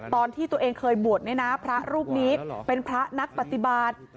ตอนที่ตัวเองเคยบวชเนี่ยนะพระรูปนี้เป็นพระนักปฏิบัติ